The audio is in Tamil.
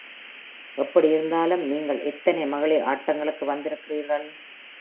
'எப்படியிருந்தாலும், நீங்கள் எத்தனை மகளிர் ஆட்டங்களுக்கு வந்திருக்கின்றீர்கள்?